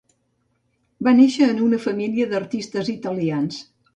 Va néixer en una família d'artistes italians.